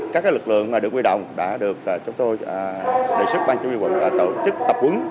các lực lượng được quy động đã được chúng tôi đề xuất bang chỉ huy quận tổ chức tập quấn